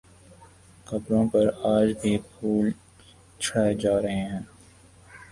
قبروں پر آج بھی پھول چڑھائے جا رہے ہیں